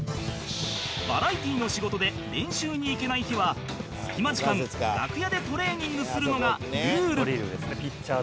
バラエティの仕事で練習に行けない日は隙間時間楽屋でトレーニングするのがルール